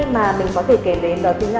mà mình có thể kể đến đó chính là